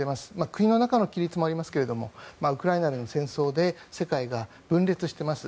国の中の亀裂もありますがウクライナでの戦争で世界が分裂しています。